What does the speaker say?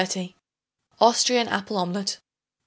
Austrian Apple Omelet.